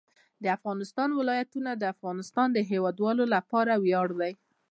د افغانستان ولايتونه د افغانستان د هیوادوالو لپاره ویاړ دی.